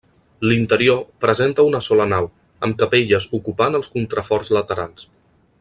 L'interior presenta una sola nau, amb capelles ocupant els contraforts laterals.